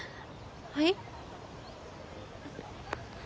はい？